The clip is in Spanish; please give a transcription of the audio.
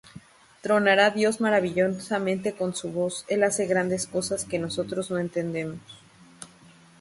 Tronará Dios maravillosamente con su voz; El hace grandes cosas, que nosotros no entendemos.